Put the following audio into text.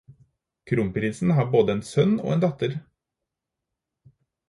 Kronprinsen har både en sønn og en datter.